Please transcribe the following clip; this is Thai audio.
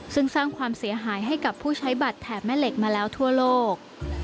ซึ่งสร้างความเสียหายให้กับผู้ใช้บัตรแถบแม่เหล็กมาแล้วทั่วโลก